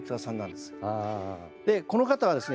でこの方はですね